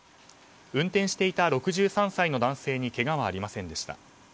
運転していた６３歳の男性にけがはありませんでした。